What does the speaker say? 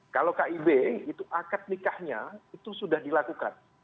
kalau kib itu akad nikahnya itu sudah dilakukan